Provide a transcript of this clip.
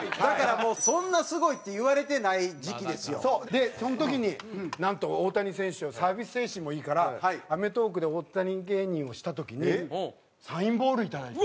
でその時になんと大谷選手はサービス精神もいいから『アメトーーク』で大谷芸人をした時にサインボールいただいて。